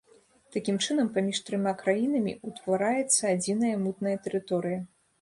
Такім чынам, паміж трыма краінамі ўтвараецца адзіная мытная тэрыторыя.